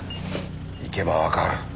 行けばわかる。